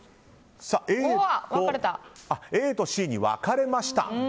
ＡとＣに分かれました。